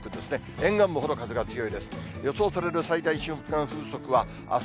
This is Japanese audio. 沿岸部ほど風が強いです。